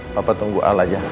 papa tunggu al aja